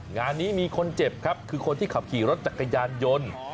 งานนี้มีคนเจ็บครับคือคนที่ขับขี่รถจักรยานยนต์